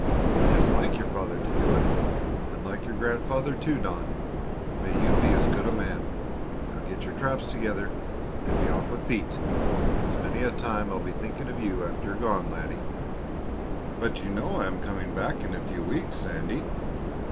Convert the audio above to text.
"It is like your father to do it and like your grandfather, too, Don. May you be as good a man! Now get your traps together and be off with Pete. It's many a time I'll be thinking of you after you are gone, laddie." "But you know I am coming back in a few weeks, Sandy."